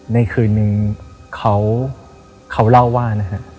ในคืนหนึ่งเขาเล่าว่า